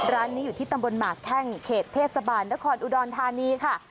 ร้านนี้อยู่ที่ตำบลหมากแข้งเขตเทศบาลนครอุดรธานีค่ะ